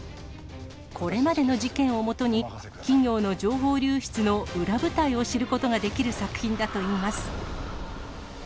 これまでの事件をもとに、企業の情報流出の裏舞台を知ることができる作品だといいます。